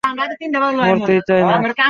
মরতেই চায় না!